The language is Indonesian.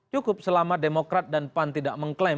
cukup selama demokrat dan pan tidak mengklaim